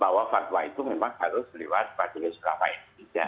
bahwa fatwa itu memang harus lewat majelis ulama indonesia